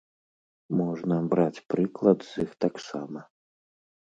Можна браць прыклад з іх таксама.